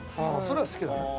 それは好きなのね。